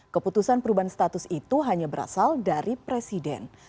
keputusan perubahan status itu hanya berasal dari presiden